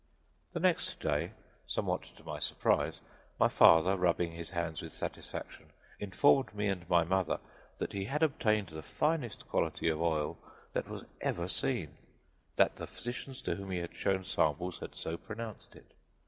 The next day, somewhat to my surprise, my father, rubbing his hands with satisfaction, informed me and my mother that he had obtained the finest quality of oil that was ever seen; that the physicians to whom he had shown samples had so pronounced it.